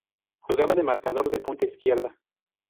Jugaba de marcador de punta izquierda.